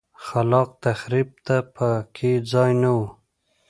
خلاق تخریب ته په کې ځای نه و.